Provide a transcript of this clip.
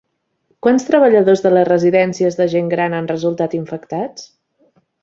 Quants treballadors de les residències de gent gran han resultat infectats?